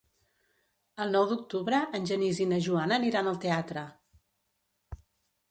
El nou d'octubre en Genís i na Joana aniran al teatre.